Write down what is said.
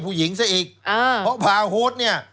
ผู้หญิงซะอีกเพราะพาโฮดเนี่ย